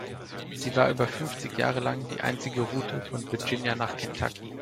Sie war über fünfzig Jahre lang die einzige Route von Virginia nach Kentucky.